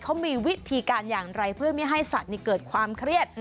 เขามีวิธีการอย่างไรเพื่อไม่ให้สัตว์เกิดความเครียด